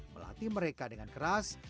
melatih mereka dengan keras